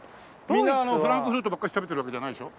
みんなフランクフルトばっかし食べてるわけじゃないでしょ？